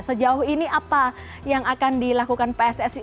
sejauh ini apa yang akan dilakukan pssi